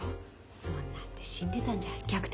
そんなんで死んでたんじゃ逆転